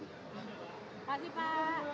terima kasih pak